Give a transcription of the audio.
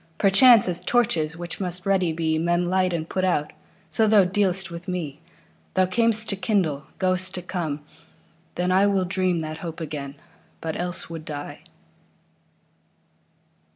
Perchance, as torches, which must ready be, Men light and put out, so thou dealst with me. Thou cam'st to kindle, goest to come: then IWill dream that hope again, but else would die.